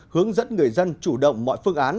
hướng dẫn người dân chủ động mọi phương án